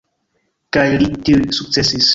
Kaj li tuj sukcesis.